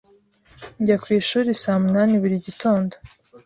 Njya ku ishuri saa munani buri gitondo.